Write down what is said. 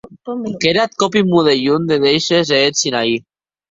Qu’ère ath còp un modelhon de dèishes e eth Sinaí.